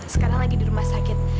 sekarang lagi di rumah sakit